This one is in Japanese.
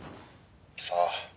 「さあ。